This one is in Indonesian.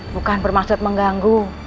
bukan bermaksud mengganggu